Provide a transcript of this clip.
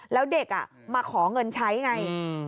แล้วเด็กมาขอเงินใช้ไง